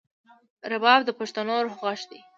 رباب د پښتنو د روح غږ دی.